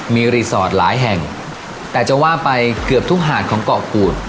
มีรีสอร์ทหลายแห่งแต่จะว่าไปเกือบทุกหาดของเกาะกูด